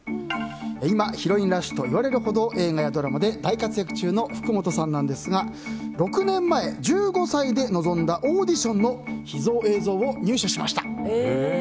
今、ヒロインラッシュといわれるほど映画やドラマで大活躍中の福本さんなんですが６年前、１５歳で臨んだオーディションの秘蔵映像を入手しました。